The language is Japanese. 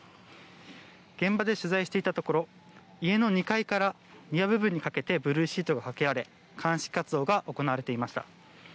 現場で取材していたところ家の２階から庭部分にかけてブルーシートがかけられ鑑識活動が行われていました。